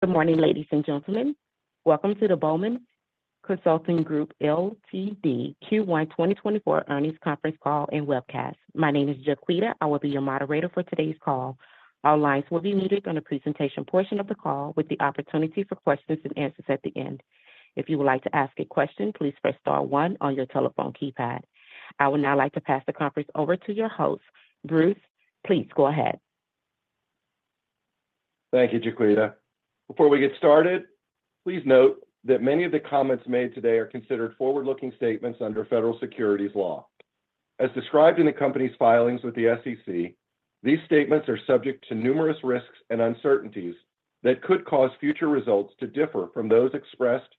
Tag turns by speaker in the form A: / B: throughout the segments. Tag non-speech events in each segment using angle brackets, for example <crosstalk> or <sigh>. A: Good morning, ladies and gentlemen. Welcome to the Bowman Consulting Group Ltd. Q1 2024 earnings conference call and webcast. My name is Jaquita. I will be your moderator for today's call. Our lines will be muted on the presentation portion of the call, with the opportunity for questions and answers at the end. If you would like to ask a question, please press star one on your telephone keypad. I would now like to pass the conference over to your host. Bruce, please go ahead.
B: Thank you, Jaquita. Before we get started, please note that many of the comments made today are considered forward-looking statements under federal securities law. As described in the company's filings with the SEC, these statements are subject to numerous risks and uncertainties that could cause future results to differ from those expressed,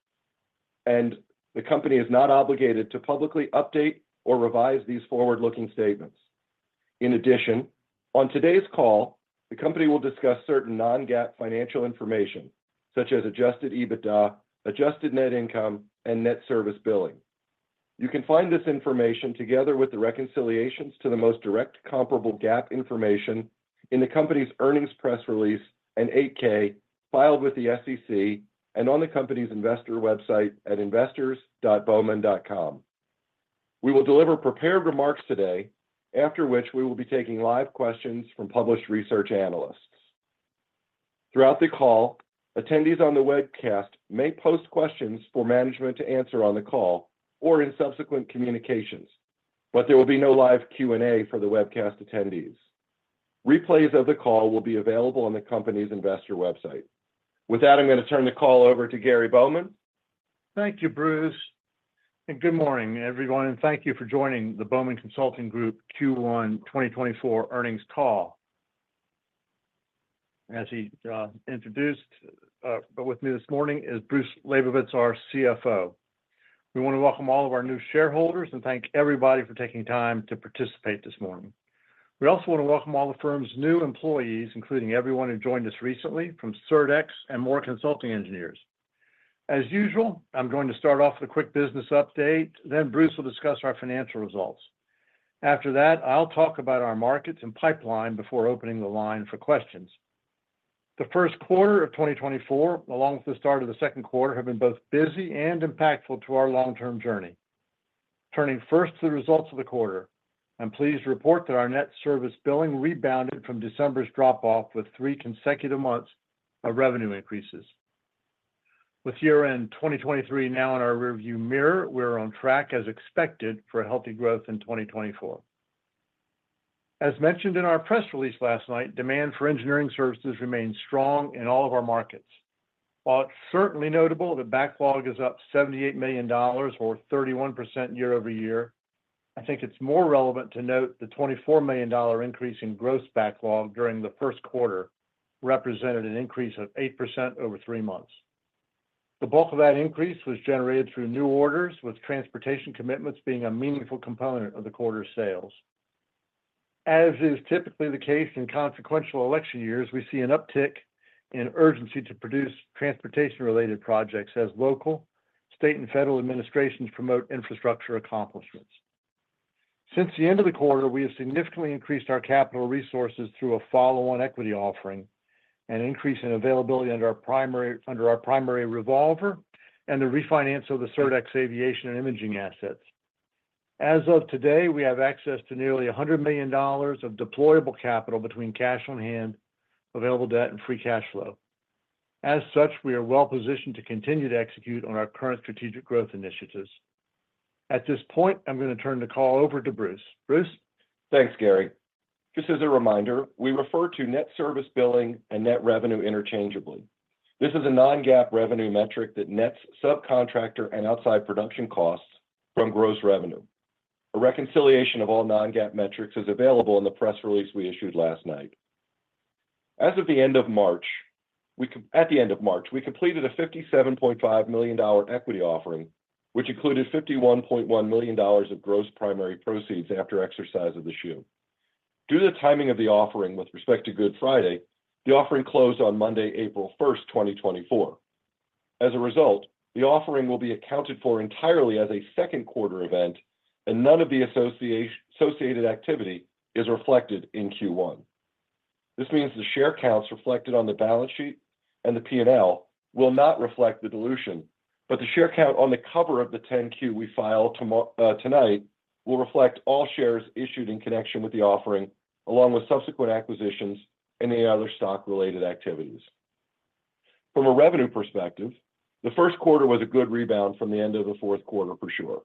B: and the company is not obligated to publicly update or revise these forward-looking statements. In addition, on today's call, the company will discuss certain non-GAAP financial information, such as Adjusted EBITDA, Adjusted Net Income, and Net Service Billing. You can find this information, together with the reconciliations to the most direct comparable GAAP information in the company's earnings press release and 8-K filed with the SEC and on the company's investor website at investors.bowman.com. We will deliver prepared remarks today, after which we will be taking live questions from published research analysts. Throughout the call, attendees on the webcast may post questions for management to answer on the call or in subsequent communications, but there will be no live Q&A for the webcast attendees. Replays of the call will be available on the company's investor website. With that, I'm going to turn the call over to Gary Bowman.
C: Thank you, Bruce, and good morning, everyone, and thank you for joining the Bowman Consulting Group Q1 2024 earnings call. As he introduced, with me this morning is Bruce Labovitz, our CFO. We want to welcome all of our new shareholders and thank everybody for taking time to participate this morning. We also want to welcome all the firm's new employees, including everyone who joined us recently from Surdex and Moore Consulting Engineers. As usual, I'm going to start off with a quick business update, then Bruce will discuss our financial results. After that, I'll talk about our markets and pipeline before opening the line for questions. The first quarter of 2024, along with the start of the second quarter, have been both busy and impactful to our long-term journey. Turning first to the results of the quarter, I'm pleased to report that our Net Service Billing rebounded from December's drop-off with three consecutive months of revenue increases. With year-end 2023 now in our rearview mirror, we're on track as expected for a healthy growth in 2024. As mentioned in our press release last night, demand for engineering services remains strong in all of our markets. While it's certainly notable that backlog is up $78 million or 31% year-over-year, I think it's more relevant to note the $24 million increase in gross backlog during the first quarter represented an increase of 8% over three months. The bulk of that increase was generated through new orders, with transportation commitments being a meaningful component of the quarter's sales. As is typically the case in consequential election years, we see an uptick in urgency to produce transportation-related projects as local, state, and federal administrations promote infrastructure accomplishments. Since the end of the quarter, we have significantly increased our capital resources through a follow-on equity offering and increase in availability under our primary, under our primary revolver and the refinance of the Surdex Aviation and Imaging assets. As of today, we have access to nearly $100 million of deployable capital between cash on hand, available debt, and free cash flow. As such, we are well positioned to continue to execute on our current strategic growth initiatives. At this point, I'm going to turn the call over to Bruce. Bruce?
B: Thanks, Gary. Just as a reminder, we refer to net service billing and net revenue interchangeably. This is a non-GAAP revenue metric that nets subcontractor and outside production costs from gross revenue. A reconciliation of all non-GAAP metrics is available in the press release we issued last night. As of the end of March, we completed a $57.5 million equity offering, which included $51.1 million of gross primary proceeds after exercise of the shoe. Due to the timing of the offering with respect to Good Friday, the offering closed on Monday, April 1st, 2024. As a result, the offering will be accounted for entirely as a second quarter event, and none of the associated activity is reflected in Q1. This means the share counts reflected on the balance sheet and the P&L will not reflect the dilution, but the share count on the cover of the 10-Q we filed tonight, will reflect all shares issued in connection with the offering, along with subsequent acquisitions and any other stock-related activities. From a revenue perspective, the first quarter was a good rebound from the end of the fourth quarter, for sure.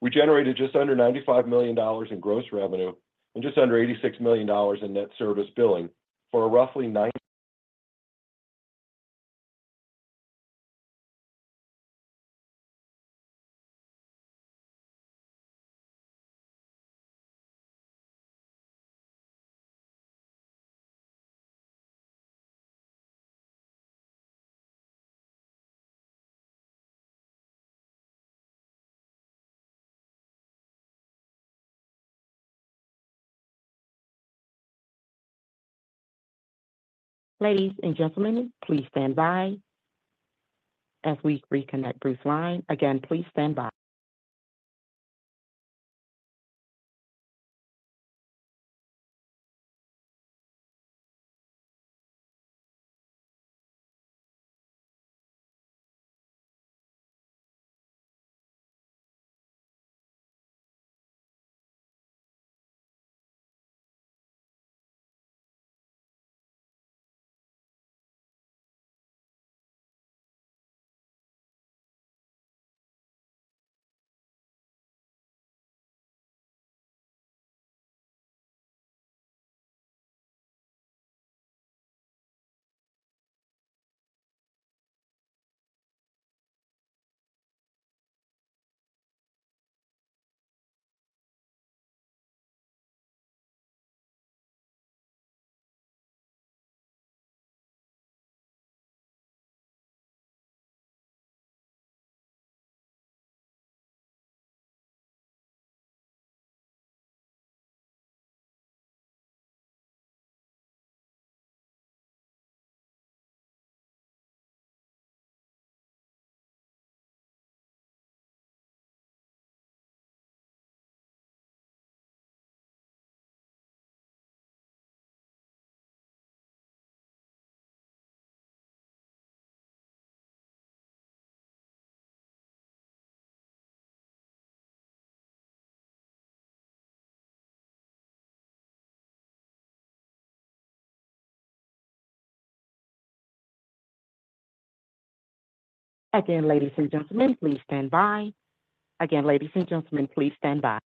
B: We generated just under $95 million in gross revenue and just under $86 million in net service billing for a roughly nine. <inaudible>
A: Ladies and gentlemen, please stand by as we reconnect Bruce Labovitz. Again, please stand by. Again, ladies and gentlemen, please stand by. Again, ladies and gentlemen, please stand by.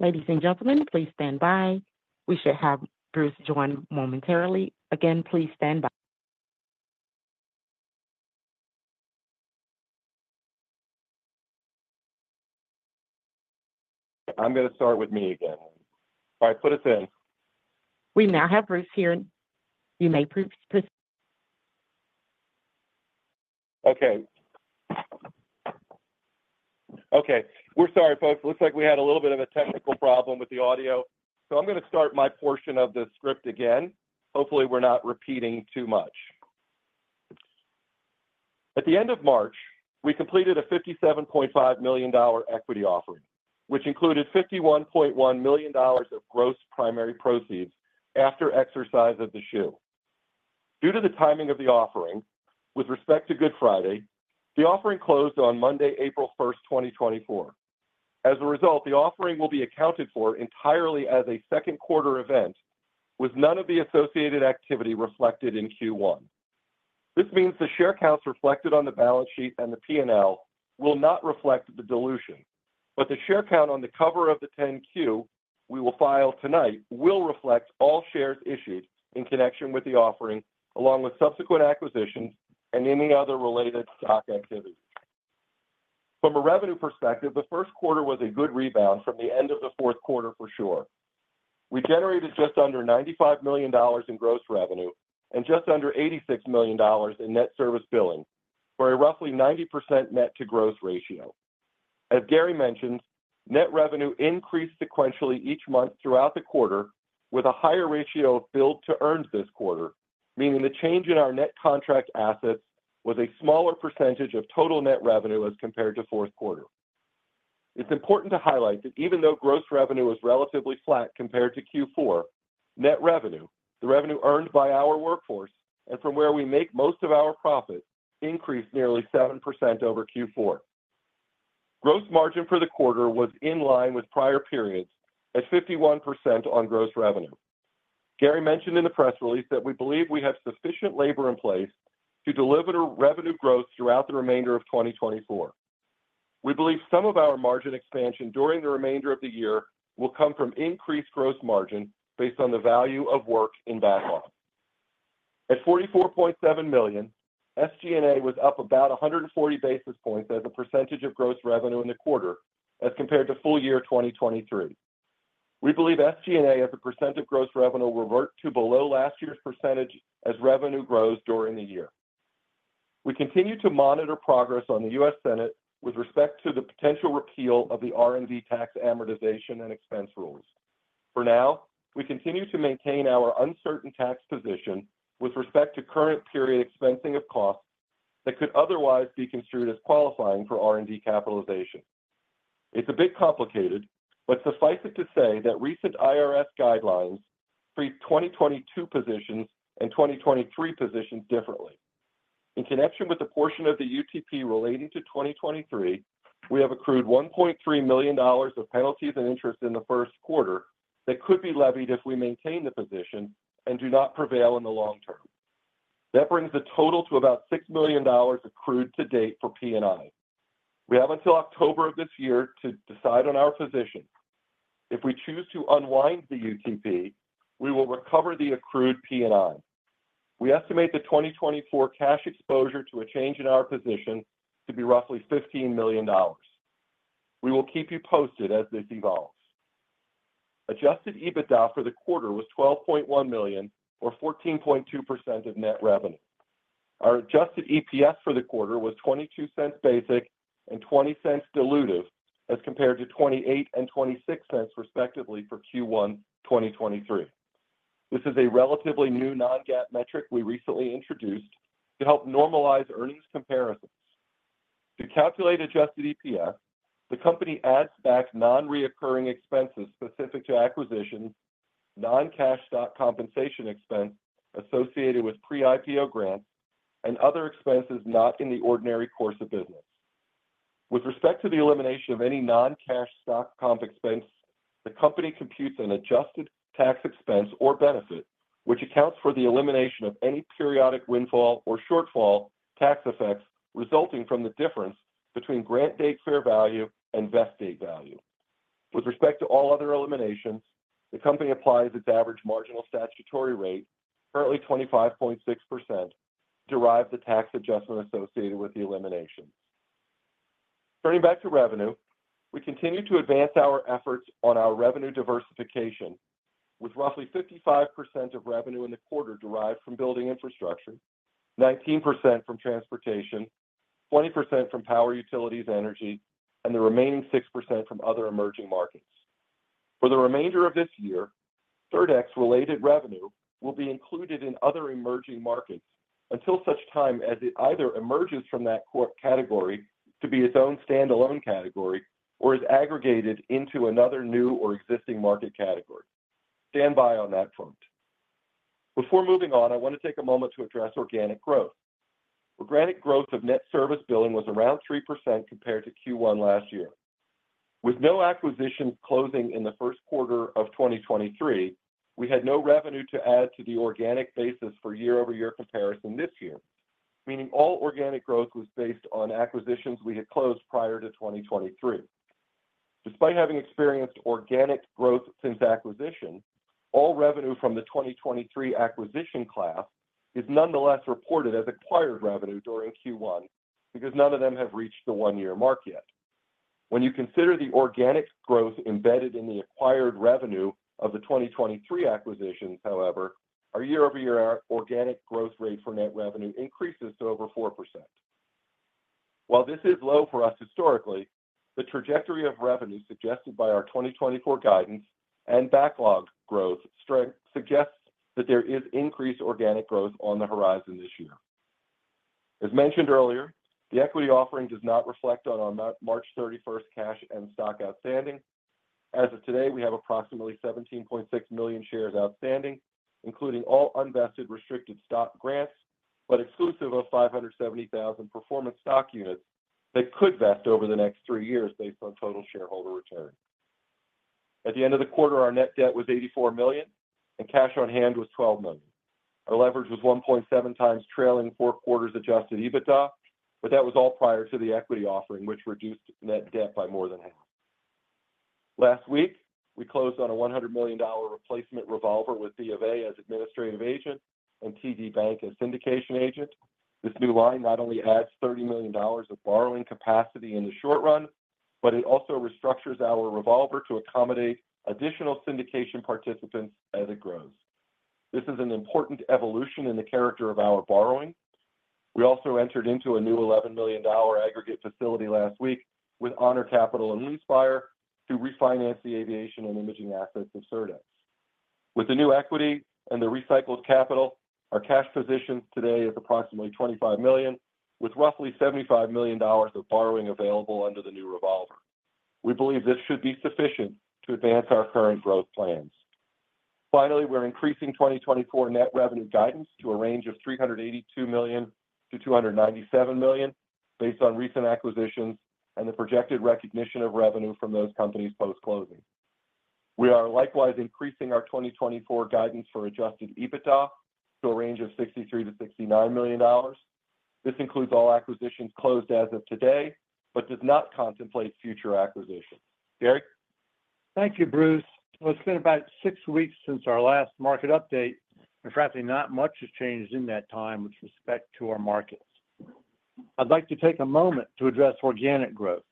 B: I'm gonna start with me again. All right, put us in.
A: We now have Bruce here. You may proceed.
B: Okay. Okay, we're sorry, folks. Looks like we had a little bit of a technical problem with the audio, so I'm gonna start my portion of the script again. Hopefully, we're not repeating too much. At the end of March, we completed a $57.5 million equity offering, which included $51.1 million of gross primary proceeds after exercise of the shoe. Due to the timing of the offering, with respect to Good Friday, the offering closed on Monday, April 1st, 2024. As a result, the offering will be accounted for entirely as a second quarter event, with none of the associated activity reflected in Q1. This means the share counts reflected on the balance sheet and the P&L will not reflect the dilution. But the share count on the cover of the 10-Q we will file tonight will reflect all shares issued in connection with the offering, along with subsequent acquisitions and any other related stock activities. From a revenue perspective, the first quarter was a good rebound from the end of the fourth quarter for sure. We generated just under $95 million in gross revenue and just under $86 million in net service billing, for a roughly 90% net to gross ratio. As Gary mentioned, net revenue increased sequentially each month throughout the quarter, with a higher ratio of billed to earned this quarter, meaning the change in our net contract assets was a smaller percentage of total net revenue as compared to fourth quarter. It's important to highlight that even though gross revenue was relatively flat compared to Q4, net revenue, the revenue earned by our workforce and from where we make most of our profit, increased nearly 7% over Q4. Gross margin for the quarter was in line with prior periods at 51% on gross revenue. Gary mentioned in the press release that we believe we have sufficient labor in place to deliver the revenue growth throughout the remainder of 2024. We believe some of our margin expansion during the remainder of the year will come from increased gross margin based on the value of work in backlog. At $44.7 million, SG&A was up about 140 basis points as a percentage of gross revenue in the quarter as compared to full year 2023. We believe SG&A, as a percent of gross revenue, will revert to below last year's percentage as revenue grows during the year. We continue to monitor progress on the US Senate with respect to the potential repeal of the R&D tax amortization and expense rules. For now, we continue to maintain our uncertain tax position with respect to current period expensing of costs that could otherwise be construed as qualifying for R&D capitalization. It's a bit complicated, but suffice it to say that recent IRS guidelines treat 2022 positions and 2023 positions differently. In connection with the portion of the UTP relating to 2023, we have accrued $1.3 million of penalties and interest in the first quarter that could be levied if we maintain the position and do not prevail in the long term. That brings the total to about $6 million accrued to date for P&I. We have until October of this year to decide on our position. If we choose to unwind the UTP, we will recover the accrued P&I. We estimate the 2024 cash exposure to a change in our position to be roughly $15 million. We will keep you posted as this evolves. Adjusted EBITDA for the quarter was $12.1 million or 14.2% of net revenue. Our adjusted EPS for the quarter was $0.22 basic and $0.20 dilutive, as compared to $0.28 and $0.26, respectively, for Q1 2023. This is a relatively new non-GAAP metric we recently introduced to help normalize earnings comparisons. To calculate adjusted EPS, the company adds back non-recurring expenses specific to acquisitions, non-cash stock compensation expense associated with pre-IPO grants, and other expenses not in the ordinary course of business. With respect to the elimination of any non-cash stock comp expense, the company computes an adjusted tax expense or benefit, which accounts for the elimination of any periodic windfall or shortfall tax effects resulting from the difference between grant date fair value and vest date value. With respect to all other eliminations, the company applies its average marginal statutory rate, currently 25.6%, to derive the tax adjustment associated with the elimination. Turning back to revenue, we continue to advance our efforts on our revenue diversification, with roughly 55% of revenue in the quarter derived from building infrastructure, 19% from transportation, 20% from power utilities energy, and the remaining 6% from other emerging markets. For the remainder of this year, Surdex related revenue will be included in other emerging markets until such time as it either emerges from that core category to be its own standalone category or is aggregated into another new or existing market category. Stand by on that front. Before moving on, I want to take a moment to address organic growth. Organic growth of net service billing was around 3% compared to Q1 last year. With no acquisitions closing in the first quarter of 2023, we had no revenue to add to the organic basis for year-over-year comparison this year, meaning all organic growth was based on acquisitions we had closed prior to 2023. Despite having experienced organic growth since acquisition, all revenue from the 2023 acquisition class is nonetheless reported as acquired revenue during Q1 because none of them have reached the one-year mark yet. When you consider the organic growth embedded in the acquired revenue of the 2023 acquisitions, however, our year-over-year organic growth rate for net revenue increases to over 4%. While this is low for us historically, the trajectory of revenue suggested by our 2024 guidance and backlog growth strength suggests that there is increased organic growth on the horizon this year. As mentioned earlier, the equity offering does not reflect on our March 31st cash and stock outstanding. As of today, we have approximately $17.6 million shares outstanding, including all unvested restricted stock grants, but exclusive of 570,000 performance stock units that could vest over the next three years based on total shareholder return. At the end of the quarter, our net debt was $84 million, and cash on hand was $12 million. Our leverage was 1.7x trailing four quarters Adjusted EBITDA, but that was all prior to the equity offering, which reduced net debt by more than half. Last week, we closed on a $100 million replacement revolver with BofA as administrative agent and TD Bank as syndication agent. This new line not only adds $30 million of borrowing capacity in the short run, but it also restructures our revolver to accommodate additional syndication participants as it grows. This is an important evolution in the character of our borrowing. We also entered into a new $11 million aggregate facility last week with Honor Capital and LeaseAir to refinance the aviation and imaging assets of Surdex. With the new equity and the recycled capital, our cash position today is approximately $25 million, with roughly $75 million of borrowing available under the new revolver. We believe this should be sufficient to advance our current growth plans. Finally, we're increasing 2024 net revenue guidance to a range of $382 million-$297 million based on recent acquisitions and the projected recognition of revenue from those companies post-closing. We are likewise increasing our 2024 guidance for Adjusted EBITDA to a range of $63 million-$69 million. This includes all acquisitions closed as of today, but does not contemplate future acquisitions. Gary?
C: Thank you, Bruce. Well, it's been about six weeks since our last market update, and frankly, not much has changed in that time with respect to our markets. I'd like to take a moment to address organic growth.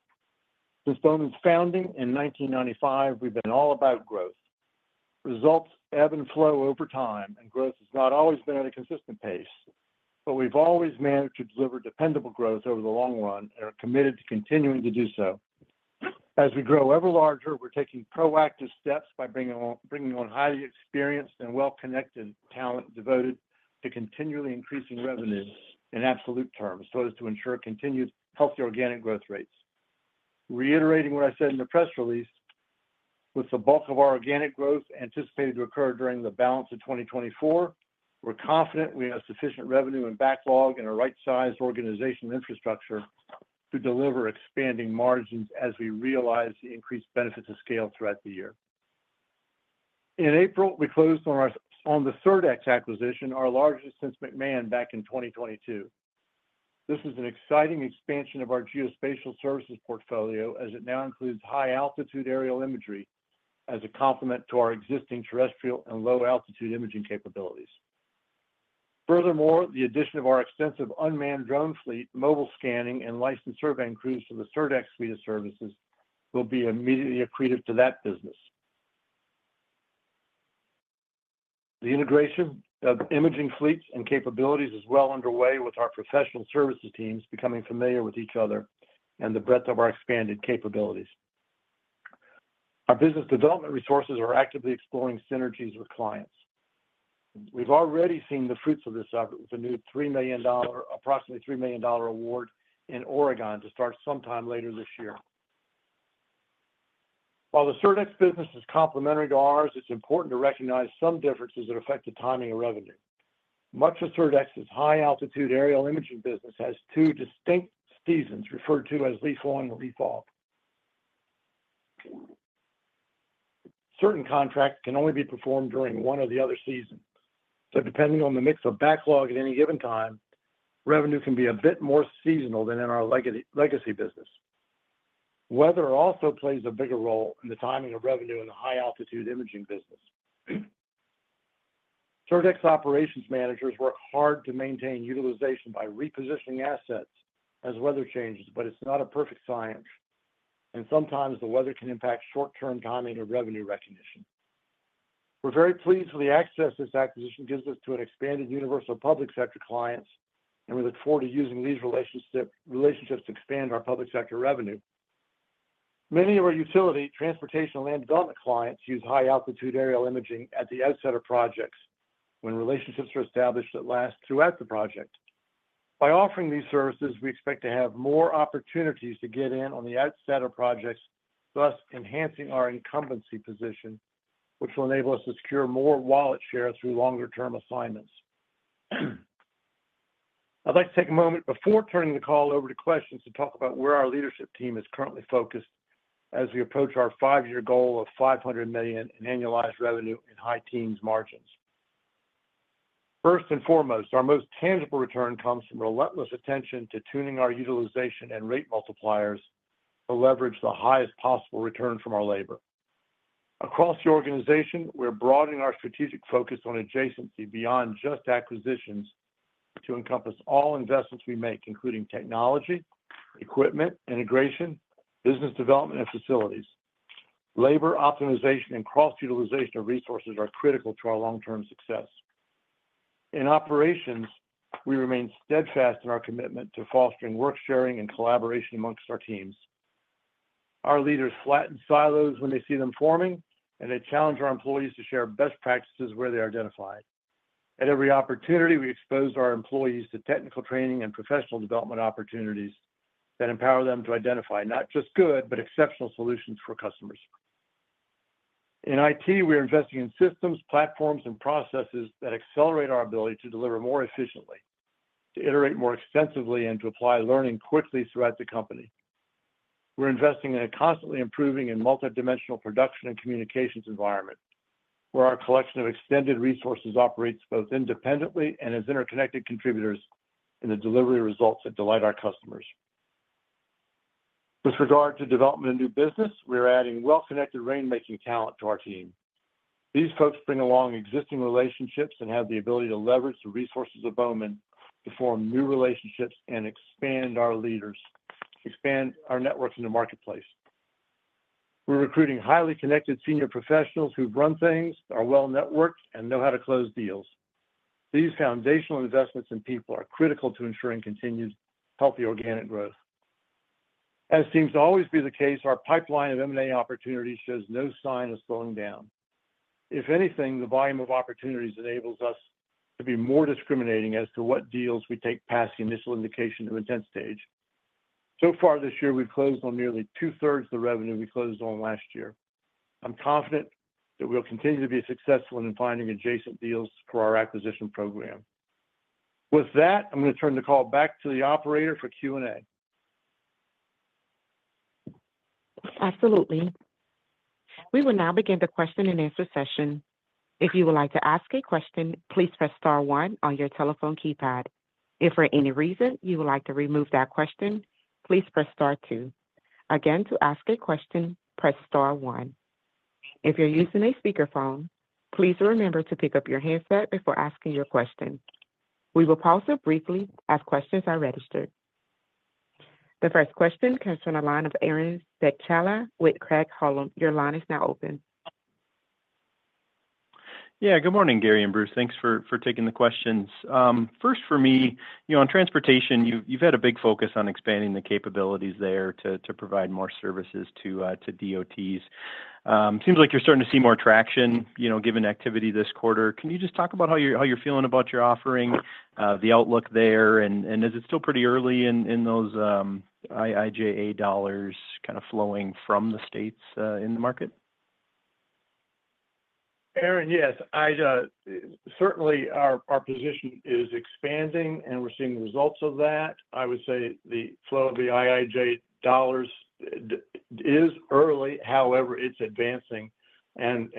C: Since Bowman's founding in 1995, we've been all about growth. Results ebb and flow over time, and growth has not always been at a consistent pace, but we've always managed to deliver dependable growth over the long run and are committed to continuing to do so. As we grow ever larger, we're taking proactive steps by bringing on, bringing on highly experienced and well-connected talent devoted to continually increasing revenue in absolute terms, so as to ensure continued healthy organic growth rates. Reiterating what I said in the press release, with the bulk of our organic growth anticipated to occur during the balance of 2024, we're confident we have sufficient revenue and backlog and a right-sized organizational infrastructure to deliver expanding margins as we realize the increased benefits of scale throughout the year. In April, we closed on the Surdex acquisition, our largest since McMahon back in 2022. This is an exciting expansion of our geospatial services portfolio, as it now includes high-altitude aerial imagery as a complement to our existing terrestrial and low-altitude imaging capabilities. Furthermore, the addition of our extensive unmanned drone fleet, mobile scanning, and licensed survey crews to the Surdex suite of services will be immediately accretive to that business. The integration of imaging fleets and capabilities is well underway, with our professional services teams becoming familiar with each other and the breadth of our expanded capabilities. Our business development resources are actively exploring synergies with clients. We've already seen the fruits of this effort with a new $3 million, approximately $3 million award in to start sometime later this year. While the Surdex business is complementary to ours, it's important to recognize some differences that affect the timing of revenue. Much of Surdex's high-altitude aerial imaging business has two distinct seasons, referred to as leaf on and leaf off. Certain contracts can only be performed during one or the other season. So depending on the mix of backlog at any given time, revenue can be a bit more seasonal than in our legacy, legacy business. Weather also plays a bigger role in the timing of revenue in the high-altitude imaging business. Surdex operations managers work hard to maintain utilization by repositioning assets as weather changes, but it's not a perfect science, and sometimes the weather can impact short-term timing of revenue recognition. We're very pleased with the access this acquisition gives us to an expanded universe of public sector clients, and we look forward to using these relationship-relationships to expand our public sector revenue. Many of our utility, transportation, and land development clients use high-altitude aerial imaging at the outset of projects when relationships are established that last throughout the project. By offering these services, we expect to have more opportunities to get in on the outset of projects, thus enhancing our incumbency position, which will enable us to secure more wallet share through longer-term assignments. I'd like to take a moment before turning the call over to questions to talk about where our leadership team is currently focused as we approach our five-year goal of $500 million in annualized revenue and high-teens margins. First and foremost, our most tangible return comes from relentless attention to tuning our utilization and rate multipliers to leverage the highest possible return from our labor. Across the organization, we're broadening our strategic focus on adjacency beyond just acquisitions to encompass all investments we make, including technology, equipment, integration, business development, and facilities. Labor optimization and cross-utilization of resources are critical to our long-term success. In operations, we remain steadfast in our commitment to fostering work-sharing and collaboration among our teams. Our leaders flatten silos when they see them forming, and they challenge our employees to share best practices where they're identified. At every opportunity, we expose our employees to technical training and professional development opportunities that empower them to identify not just good, but exceptional solutions for customers. In IT, we are investing in systems, platforms, and processes that accelerate our ability to deliver more efficiently, to iterate more extensively and to apply learning quickly throughout the company. We're investing in a constantly improving and multidimensional production and communications environment, where our collection of extended resources operates both independently and as interconnected contributors in the delivery results that delight our customers. With regard to development of new business, we're adding well-connected rainmaking talent to our team. These folks bring along existing relationships and have the ability to leverage the resources of Bowman to form new relationships and expand our leaders, expand our networks in the marketplace. We're recruiting highly connected senior professionals who've run things, are well-networked, and know how to close deals. These foundational investments in people are critical to ensuring continued healthy organic growth. As seems to always be the case, our pipeline of M&A opportunities shows no sign of slowing down. If anything, the volume of opportunities enables us to be more discriminating as to what deals we take past the initial indication of intent stage. So far this year, we've closed on nearly two-thirds of the revenue we closed on last year. I'm confident that we'll continue to be successful in finding adjacent deals for our acquisition program. With that, I'm gonna turn the call back to the operator for Q&A.
A: Absolutely. We will now begin the question and answer session. If you would like to ask a question, please press star one on your telephone keypad. If for any reason you would like to remove that question, please press star two. Again, to ask a question, press star one. If you're using a speakerphone, please remember to pick up your handset before asking your question. We will pause here briefly as questions are registered. The first question comes from the line of Aaron Spychalla with Craig-Hallum. Your line is now open.
D: Yeah, good morning, Gary and Bruce. Thanks for, for taking the questions. First for me, you know, on transportation, you've, you've had a big focus on expanding the capabilities there to, to provide more services to, to DOTs. Seems like you're starting to see more traction, you know, given activity this quarter. Can you just talk about how you're, how you're feeling about your offering, the outlook there, and, and is it still pretty early in, in those, IIJA dollars kind of flowing from the states, in the market?
C: Aaron, yes. I certainly our position is expanding, and we're seeing the results of that. I would say the flow of the IIJA dollars is early, however, it's advancing. And,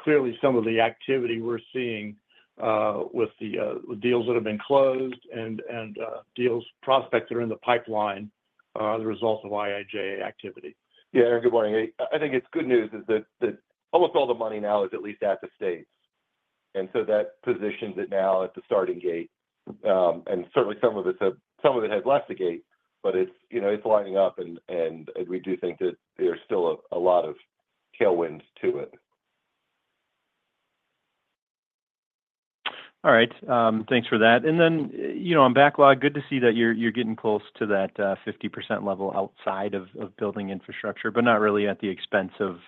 C: clearly some of the activity we're seeing, with the, with deals that have been closed and, deals prospects that are in the pipeline, are the results of IIJA activity.
B: Yeah, Aaron, good morning. I think it's good news is that almost all the money now is at least at the states, and so that positions it now at the starting gate. And certainly some of it has left the gate, but it's, you know, it's lining up, and we do think that there's still a lot of tailwinds to it.
D: All right. Thanks for that. And then, you know, on backlog, good to see that you're getting close to that 50% level outside of building infrastructure, but not really at the expense of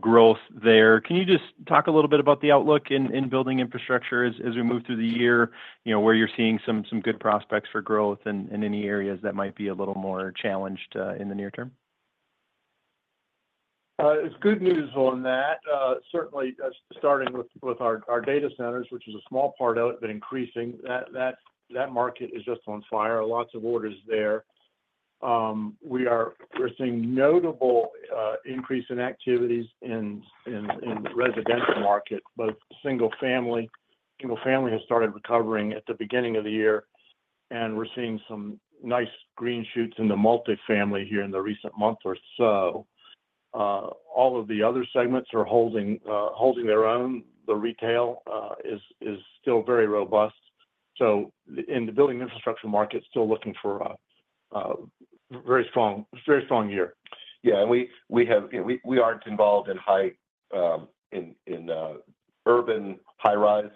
D: growth there. Can you just talk a little bit about the outlook in building infrastructure as we move through the year, you know, where you're seeing some good prospects for growth and any areas that might be a little more challenged in the near term?
C: It's good news on that. Certainly, starting with our data centers, which is a small part of it, but increasing. That market is just on fire. Lots of orders there. We're seeing notable increase in activities in the residential market, both single family. Single family has started recovering at the beginning of the year, and we're seeing some nice green shoots in the multifamily here in the recent month or so. All of the other segments are holding their own. The retail is still very robust. So in the building infrastructure market, still looking for a very strong year.
B: Yeah, and we have, you know, we aren't involved in high urban high-rise.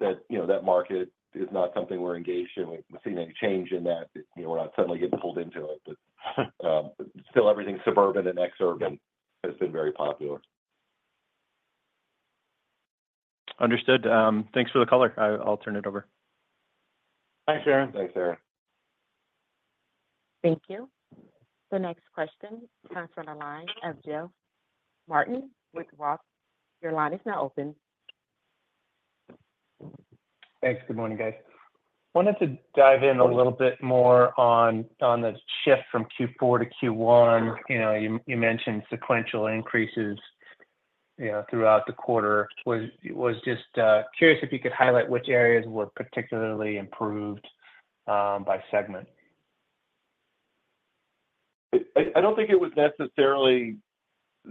B: That, you know, that market is not something we're engaged in. We've not seen any change in that, you know, we're not suddenly getting pulled into it, but still everything suburban and exurban has been very popular.
D: Understood. Thanks for the color. I'll turn it over.
C: Thanks, Aaron.
B: Thanks, Aaron.
A: Thank you. The next question comes from the line of Jeff Martin with Roth. Your line is now open.
E: Thanks. Good morning, guys. Wanted to dive in a little bit more on the shift from Q4 to Q1. You know, you mentioned sequential increases, you know, throughout the quarter. Was just curious if you could highlight which areas were particularly improved by segment?
B: I don't think it was necessarily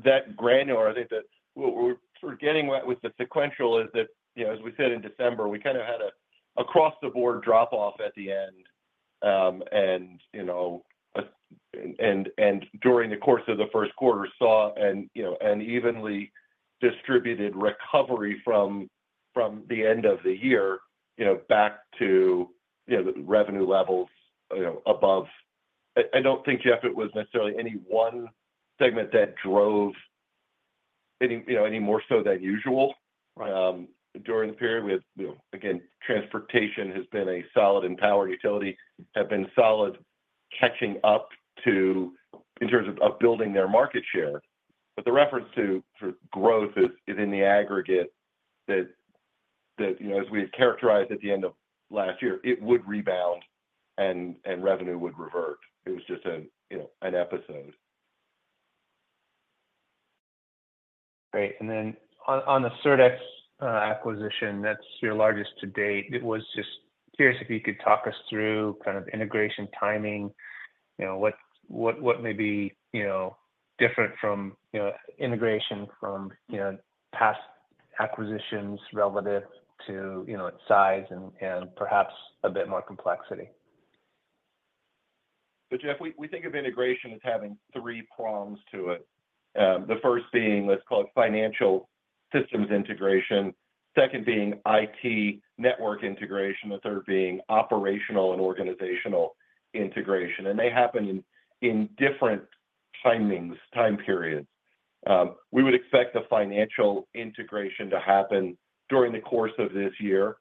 B: that granular. I think that what we're sort of getting at with the sequential is that, you know, as we said in December, we kinda had an across-the-board drop-off at the end. And, you know, during the course of the first quarter, saw an evenly distributed recovery from the end of the year, you know, back to the revenue levels, you know, above. I don't think, Jeff, it was necessarily any one segment that drove any, you know, any more so than usual.
E: Right.
B: During the period, we had, you know, again, transportation has been solid and power and utilities have been solid, catching up to, in terms of, of building their market share. But the reference to growth is in the aggregate that, you know, as we had characterized at the end of last year, it would rebound and revenue would revert. It was just a, you know, an episode.
E: Great. And then on the Surdex acquisition, that's your largest to date, it was just curious if you could talk us through kind of integration, timing, you know, what may be, you know, different from, you know, integration from, you know, past acquisitions relative to, you know, its size and perhaps a bit more complexity?
B: So, Jeff, we think of integration as having three prongs to it. The first being, let's call it financial systems integration, second being IT network integration, the third being operational and organizational integration. And they happen in different timings, time periods. We would expect the financial integration to happen during the course of this year.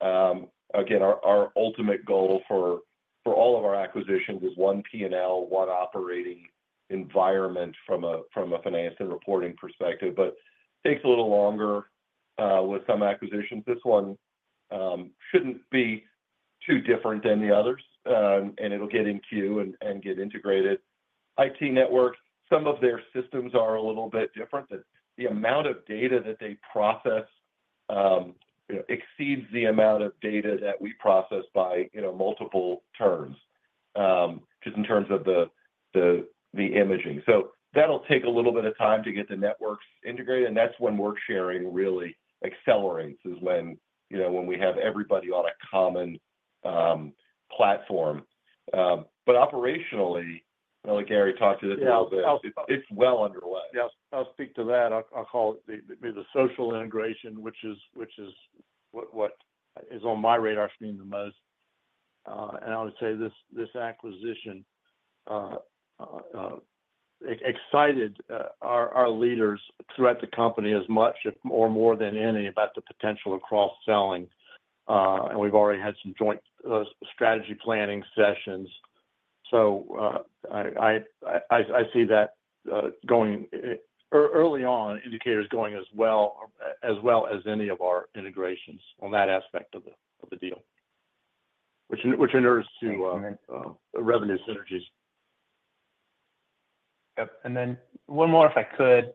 B: Again, our ultimate goal for all of our acquisitions is one P&L, one operating environment from a finance and reporting perspective, but takes a little longer with some acquisitions. This one shouldn't be too different than the others, and it'll get in queue and get integrated. IT network, some of their systems are a little bit different, but the amount of data that they process, you know, exceeds the amount of data that we process by, you know, multiple terms, just in terms of the imaging. So that'll take a little bit of time to get the networks integrated, and that's when work sharing really accelerates, is when, you know, when we have everybody on a common platform. But operationally, I know Gary talked to this a <crosstalk> little bit it's well underway. Yeah, I'll speak to that. I'll call it the social integration, which is what is on my radar screen the most. And I would say this acquisition excited our leaders throughout the company as much or more than any about the potential of cross-selling. And we've already had some joint strategy planning sessions. So, I see that going early on, indicators going as well as any of our integrations on that aspect of the deal.
C: Which endures to revenue synergies.
E: Yep. And then one more, if I could.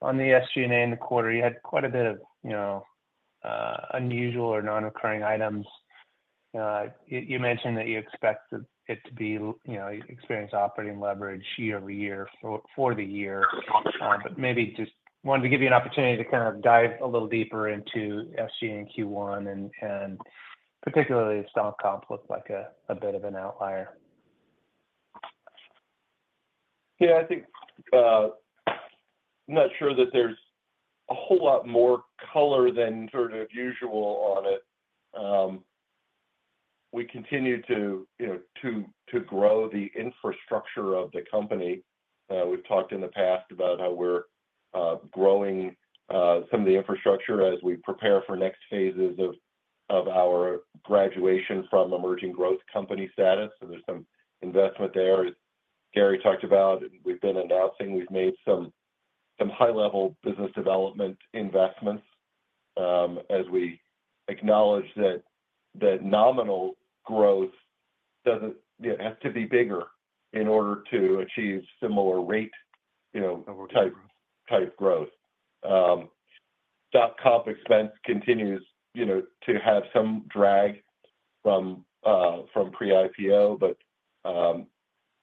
E: On the SG&A in the quarter, you had quite a bit of, you know, unusual or non-recurring items. You mentioned that you expect it to experience operating leverage year-over-year for the year. But maybe just wanted to give you an opportunity to kind of dive a little deeper into SG&A and Q1, and particularly, stock comp looked like a bit of an outlier.
B: Yeah, I think, I'm not sure that there's a whole lot more color than sort of usual on it. We continue to, you know, grow the infrastructure of the company. We've talked in the past about how we're growing some of the infrastructure as we prepare for next phases of our graduation from emerging growth company status. So there's some investment there, as Gary talked about, and we've been announcing we've made some high-level business development investments, as we acknowledge that nominal growth doesn't, you know, has to be bigger in order to achieve similar rate, you know type growth. Stock comp expense continues, you know, to have some drag from, from pre-IPO, but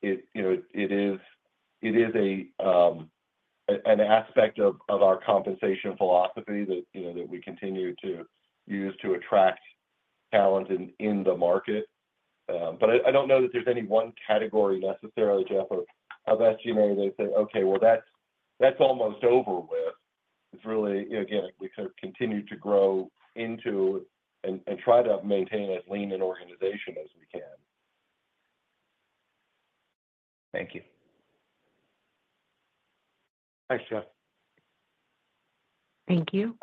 B: it, you know, it is, it is an aspect of our compensation philosophy that, you know, that we continue to use to attract talent in the market. But I don't know that there's any one category necessarily, Jeff, of SG&A that say, "Okay, well, that's almost over with." It's really, you know, again, we sort of continue to grow into and try to maintain as lean an organization as we can.
E: Thank you.
B: Thanks, Jeff.
A: Thank you.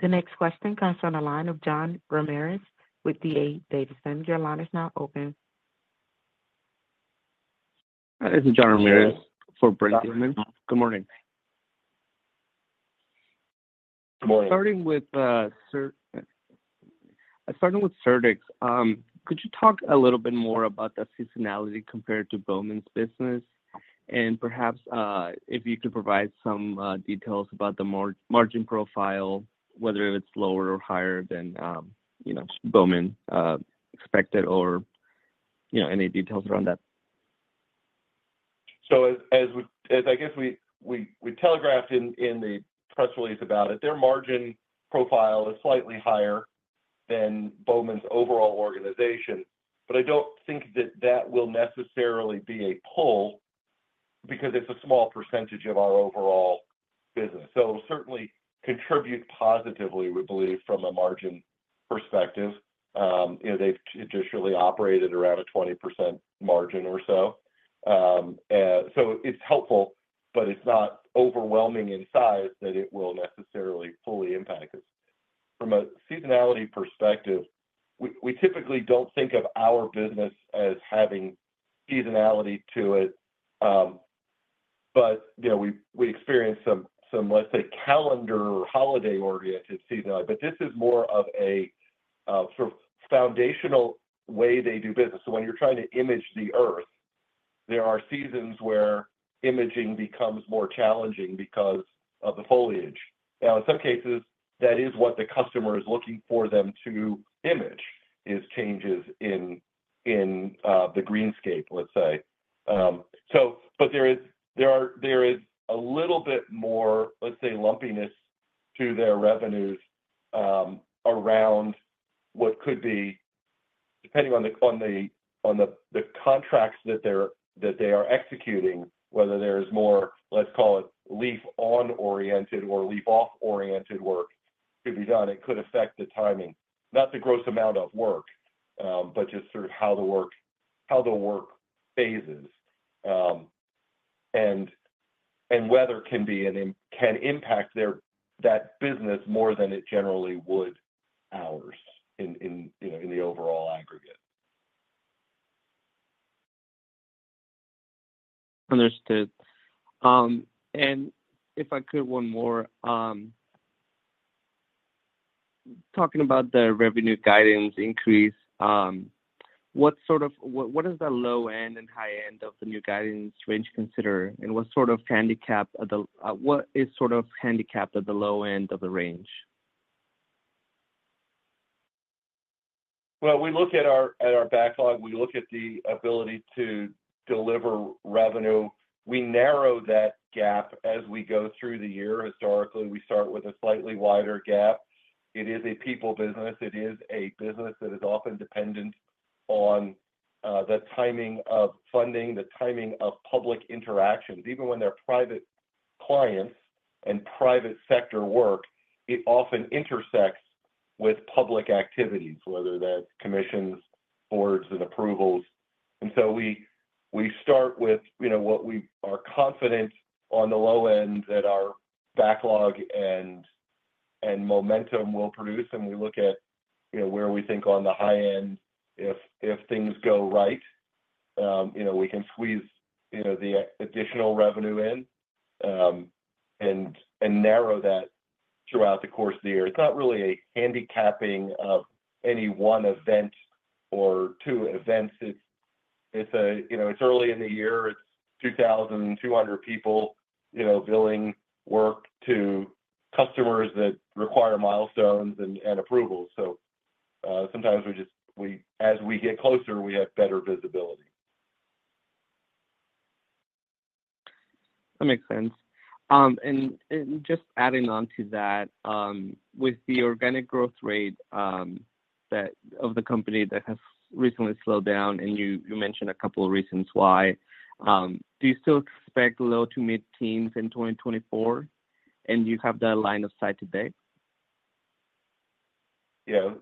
A: The next question comes from the line of Jean Ramirez with D.A. Davidson. Your line is now open.
F: This is Jean Ramirez for Bowman. Good morning.
B: Good morning.
F: Starting with Surdex, could you talk a little bit more about the seasonality compared to Bowman's business? And perhaps, if you could provide some details about the margin profile, whether it's lower or higher than, you know, Bowman expected or, you know, any details around that?
B: So, as we, as I guess we telegraphed in the press release about it, their margin profile is slightly higher than Bowman's overall organization. But I don't think that that will necessarily be a pull because it's a small percentage of our overall business. So certainly contribute positively, we believe, from a margin perspective. You know, they've traditionally operated around a 20% margin or so. So it's helpful, but it's not overwhelming in size that it will necessarily fully impact us. From a seasonality perspective, we typically don't think of our business as having seasonality to it, but, you know, we experience some, let's say, calendar or holiday-oriented seasonality. But this is more of a sort of foundational way they do business. So when you're trying to image the Earth, there are seasons where imaging becomes more challenging because of the foliage. Now, in some cases, that is what the customer is looking for them to image, is changes in the greenscape, let's say. So but there is a little bit more, let's say, lumpiness to their revenues around what could be, depending on the contracts that they are executing, whether there is more, let's call it, leaf-on oriented or leaf-off oriented work to be done, it could affect the timing. Not the gross amount of work, but just sort of how the work phases, and weather can impact their that business more than it generally would ours in, you know, in the overall aggregate.
F: Understood. And if I could, one more, talking about the revenue guidance increase, what is the low end and high end of the new guidance range consider? And what is sort of handicapped at the low end of the range?
B: Well, we look at our backlog, we look at the ability to deliver revenue. We narrow that gap as we go through the year. Historically, we start with a slightly wider gap. It is a people business. It is a business that is often dependent on the timing of funding, the timing of public interactions. Even when they're private clients and private sector work, it often intersects with public activities, whether that's commissions, boards, and approvals. And so we start with, you know, what we are confident on the low end that our backlog and momentum will produce, and we look at, you know, where we think on the high end, if things go right, you know, we can squeeze, you know, the additional revenue in, and narrow that throughout the course of the year. It's not really a handicapping of any one event or two events. It's a, you know, it's early in the year. It's 2,200 people, you know, billing work to customers that require milestones and approvals. So, sometimes we just as we get closer, we have better visibility.
F: That makes sense. And just adding on to that, with the organic growth rate that of the company that has recently slowed down, and you mentioned a couple of reasons why, do you still expect low to mid-teens in 2024? Do you have that line of sight today?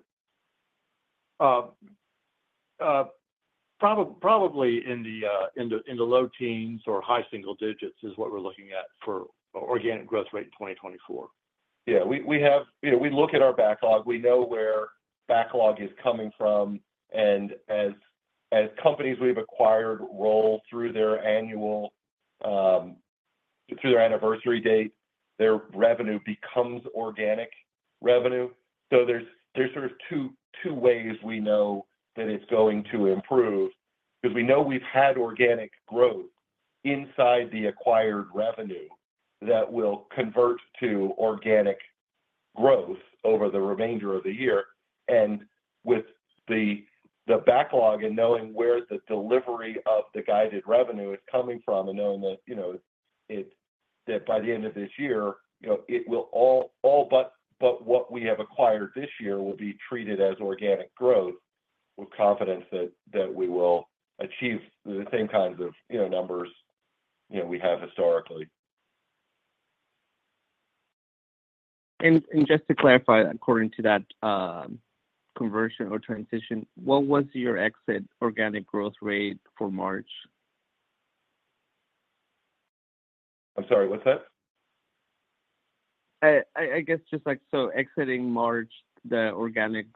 B: Yeah. Probably in the low teens or high single digits is what we're looking at for organic growth rate in 2024. Yeah, we have, you know, we look at our backlog, we know where backlog is coming from, and as companies we've acquired roll through their annual, through their anniversary date, their revenue becomes organic revenue. So there's sort of two ways we know that it's going to improve, because we know we've had organic growth inside the acquired revenue that will convert to organic growth over the remainder of the year. With the backlog and knowing where the delivery of the guided revenue is coming from and knowing that, you know, that by the end of this year, you know, it will all but what we have acquired this year will be treated as organic growth with confidence that we will achieve the same kinds of, you know, numbers, you know, we have historically.
F: And just to clarify, according to that, conversion or transition, what was your exit organic growth rate for March?
B: I'm sorry, what's that?
F: I guess just like, so exiting March, the organic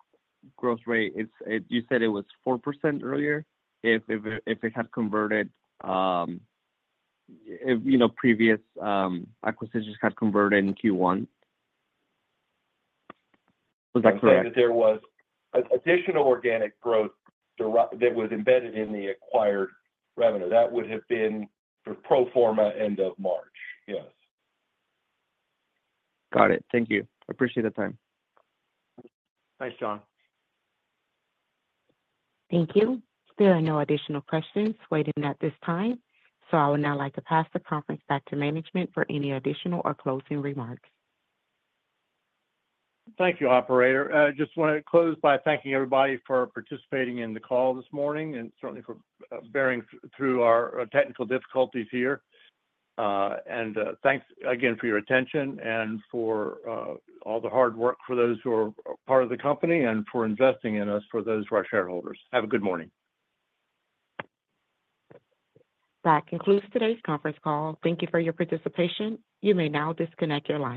F: growth rate is, you said it was 4% earlier, if it had converted, if, you know, previous acquisitions had converted in Q1. Was that correct? That there was a additional organic growth that was embedded in the acquired revenue. That would have been for pro forma end of March.
B: Yes.
F: Got it. Thank you. Appreciate the time.
B: Thanks, John.
A: Thank you. There are no additional questions waiting at this time, so I would now like to pass the conference back to management for any additional or closing remarks.
B: Thank you, operator. I just want to close by thanking everybody for participating in the call this morning, and certainly for bearing through our technical difficulties here. And thanks again for your attention and for all the hard work for those who are part of the company and for investing in us, for those who are shareholders. Have a good morning.
A: That concludes today's conference call. Thank you for your participation. You may now disconnect your line.